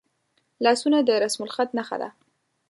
لاسونه د رسمالخط نښه ده